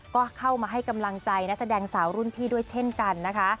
ก็เข้ามาให้กำลังใจนักแสดงสาวรุ่นพี่ด้วยเช่นกันนะคะ